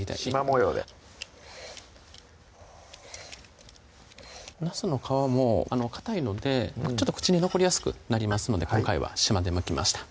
模様でなすの皮もかたいのでちょっと口に残りやすくなりますので今回はしまでむきました